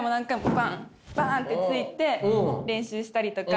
パン！って突いて練習したりとか。